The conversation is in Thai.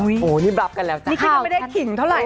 โอ้ยนี่ปรับกันแล้วนี่คิดไม่ได้ขิ๋งเท่าไหร่